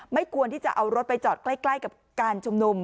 ควรที่จะเอารถไปจอดใกล้กับการชุมนุม